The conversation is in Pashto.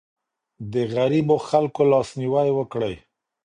د غريبو خلګو لاسنيوی وکړئ.